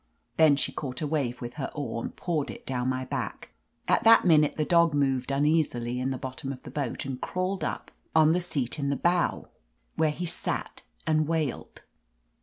Then she caught a wave with her oar, and poured it down my back. At that minute the dog moved uneasily in the bottom of the boat and crawled up on tL .;.'iat in the bow, where he sat and wailed.